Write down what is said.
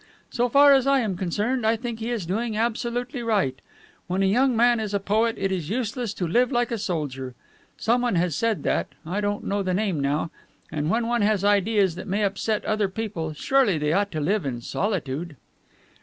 So far as I am concerned, I think he is doing absolutely right. When a young man is a poet, it is useless to live like a soldier. Someone has said that, I don't know the name now, and when one has ideas that may upset other people, surely they ought to live in solitude."